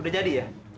udah jadi ya